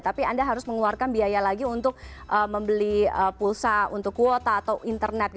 tapi anda harus mengeluarkan biaya lagi untuk membeli pulsa untuk kuota atau internet